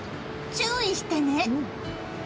注意してね！